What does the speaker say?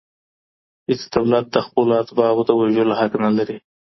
هیڅ دولت د خپلو اتباعو د وژلو حق نه لري.